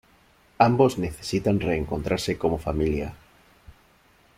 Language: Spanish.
Ambos necesitan reencontrarse como familia.